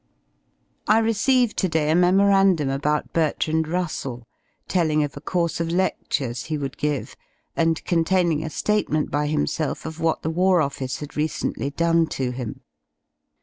I received to day a memorandum about Bertrand Russell, telling of a course of ledlures he would give, and containing a ^atement by himself of what the W.O. had recently done to him.